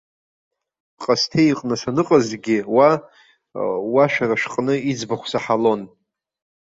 Ҟасҭеи иҟны саныҟазгьы, уа, уа шәара шәҟны, иӡбахә саҳалон.